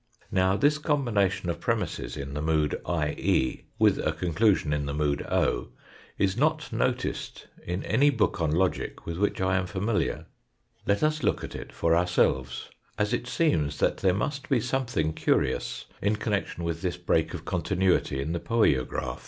Now this combination of premisses in the mood IE, with a conclusion in the mood o, is not noticed in any book on logic with which I am familiar. Let us look at it for ourselves, as it seems that there must be something curious in connection with this break of continuity in the poiograph.